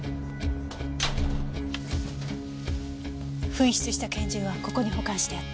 紛失した拳銃はここに保管してあった。